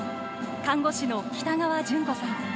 看護師の北川純子さん。